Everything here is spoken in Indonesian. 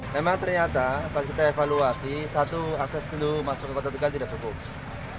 memang ternyata pas kita evaluasi satu akses dulu masuk ke kota tegal tidak cukup